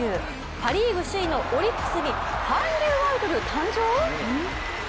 パ・リーグ首位のオリックスに韓流アイドル誕生！？